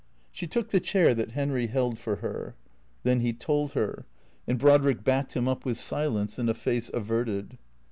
She took the chair that Henry held for her. Then he told her. And Brodriek backed him up with silence and a face averted.